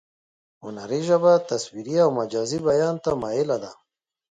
هنري ژبه تصویري او مجازي بیان ته مایله ده